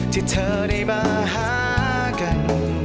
ที่เธอได้มาหากัน